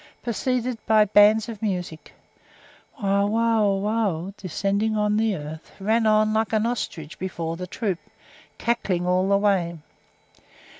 preceded by bands of music; while Wauwau, descending on the earth, ran on like an ostrich before the troop, cackling all the way.